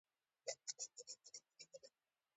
محبوب وينو، چې نوي يې خطونه راغلي.